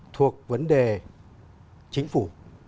thuộc vấn đề chính phủ